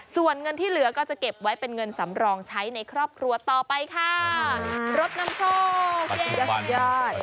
ส่วนเงินที่เหลือก็จะเก็บไว้เป็นเงินสำรองใช้ในครอบครัวต่อไปค่ะรถนำโชคยอดสุดยอด